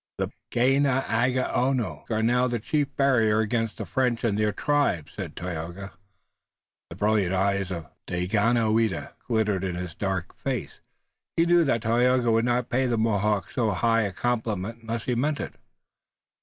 "The Ganeagaono are now the chief barrier against the French and their tribes," said Tayoga. The brilliant eyes of Daganoweda glittered in his dark face. He knew that Tayoga would not pay the Mohawks so high a compliment unless he meant it.